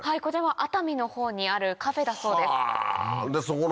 こちらは熱海のほうにあるカフェだそうです。